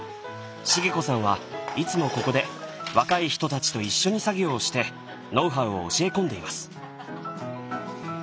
茂子さんはいつもここで若い人たちと一緒に作業をしてノウハウを教え込んでいます。